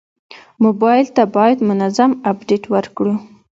موبایل ته باید منظم اپډیټ ورکړو.